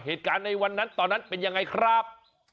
เหตุการณ์ในวันนั้นตอนนั้นเป็นยังไงครับ